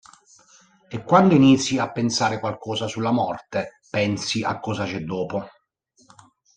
E quando inizi a pensare qualcosa sulla morte, pensi a cosa c'è dopo.